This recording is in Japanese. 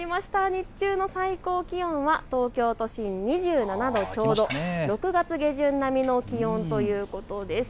日中の最高気温は東京都心２７度ちょうど、６月下旬並みの気温ということです。